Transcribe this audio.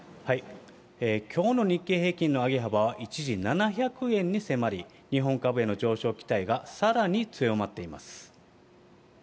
きょうの日経平均の上げ幅は一時、７００円に迫り、日本株への上昇期待がさらに強まっています。